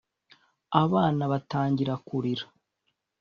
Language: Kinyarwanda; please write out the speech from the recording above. abana batangira kurira